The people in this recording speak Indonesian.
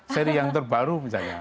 seri yang terbaru misalnya